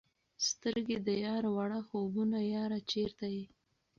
سترګي د یار وړه خوبونه یاره چیرته یې؟